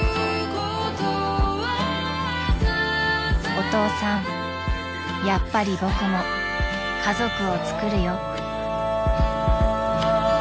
［お父さんやっぱり僕も家族をつくるよ］